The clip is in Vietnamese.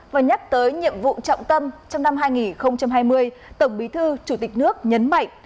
và nhắc tới nhiệm vụ trọng tâm trong năm hai nghìn hai mươi tổng bí thư chủ tịch nước nhấn mạnh